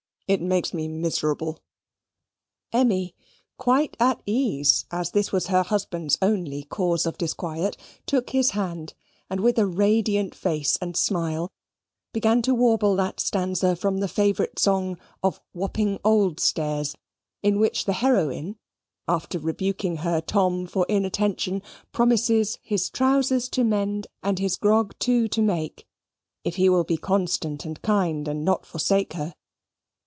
It makes me miserable." Emmy, quite at ease, as this was her husband's only cause of disquiet, took his hand, and with a radiant face and smile began to warble that stanza from the favourite song of "Wapping Old Stairs," in which the heroine, after rebuking her Tom for inattention, promises "his trousers to mend, and his grog too to make," if he will be constant and kind, and not forsake her.